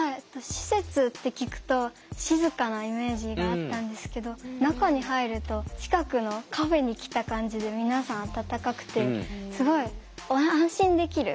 施設って聞くと静かなイメージがあったんですけど中に入ると近くのカフェに来た感じで皆さん温かくてすごい安心できる感じがしました。